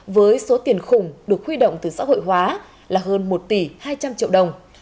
với số tiền khủng được huy động từ xã hội hóa là hơn một tỷ hai trăm linh triệu đồng